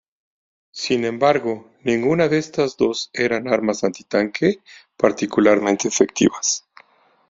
Sin embargo, ninguna de estas dos eran armas antitanque particularmente efectivas.